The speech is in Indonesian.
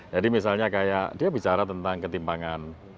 jadi misalnya kayak dia bicara tentang ketimpangan